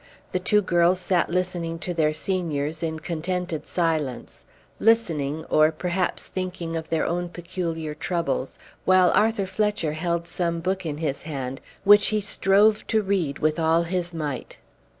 The two girls sat listening to their seniors in contented silence, listening or perhaps thinking of their own peculiar troubles, while Arthur Fletcher held some book in his hand which he strove to read with all his might.